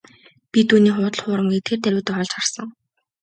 Би түүний худал хуурмагийг тэр даруйдаа олж харсан.